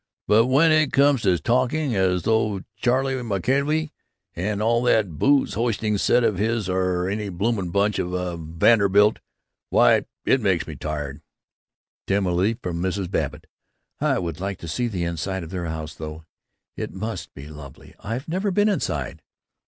But when it comes to talking as though Charley McKelvey and all that booze hoisting set of his are any blooming bunch of of, of Vanderbilts, why, it makes me tired!" Timidly from Mrs. Babbitt: "I would like to see the inside of their house though. It must be lovely. I've never been inside."